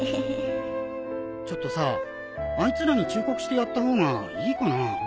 ちょっとさあいつらに忠告してやった方がいいかな？